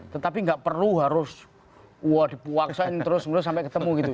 tetapi enggak perlu harus waksan terus terus sampai ketemu gitu